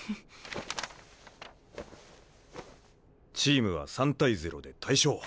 チームは３対０で大勝。